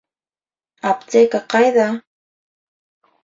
Аптека ҡайҙа?